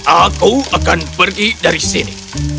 aku akan pergi dari sini